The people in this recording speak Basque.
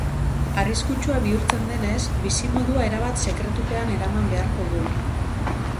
Arriskutsua bihurtzen denez, bizimodua erabat sekretupean eraman beharko du.